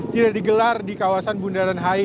tidak digelar di kawasan bundaran hi